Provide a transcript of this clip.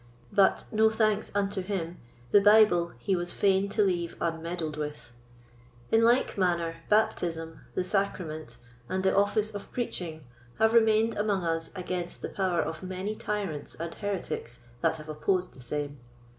But, no thanks unto him, the Bible he was fain to leave unmeddled with. In like manner Baptism, the Sacrament, and the Office of Preaching have remained among us against the power of many tyrants and heretics that have opposed the same.